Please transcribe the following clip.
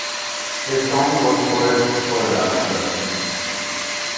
His song was called "For a Dancer".